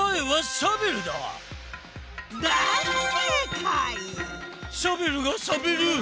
シャベルがしゃべる！